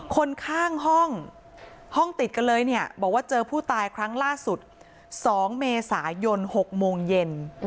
คนข้างห้องห้องติดกันเลยเนี่ยบอกว่าเจอผู้ตายครั้งล่าสุด๒เมษายน๖โมงเย็น